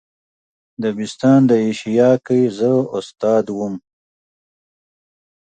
دبستان د ایشیا که زه استاد وم.